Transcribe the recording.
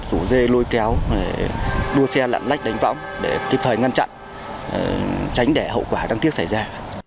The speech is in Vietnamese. rủ dê lôi kéo đua xe lặn lách đánh võng để kịp thời ngăn chặn tránh để hậu quả đáng tiếc xảy ra